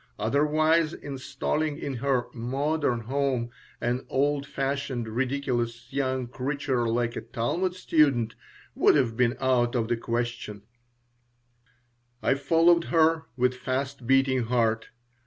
Otherwise installing in her "modern" home an old fashioned, ridiculous young creature like a Talmud student would have been out of the question I followed her with fast beating heart.